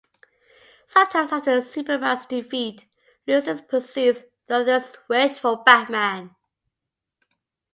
Sometimes after Superman's defeat, Lucius precedes Luthor's wish for Batman.